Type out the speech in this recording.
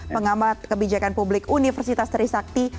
pengamat kebijakan publik universitas trisakti